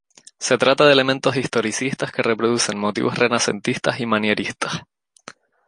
Se trata de elementos historicistas que reproducen motivos renacentistas y manieristas.